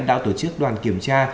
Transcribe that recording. đã tổ chức đoàn kiểm tra